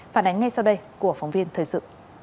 phản ánh ngay sau đây của phóng viên thời sự